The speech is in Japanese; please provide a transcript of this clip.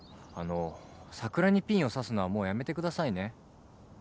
あの桜にピンをさすのはもうやめてくださいね。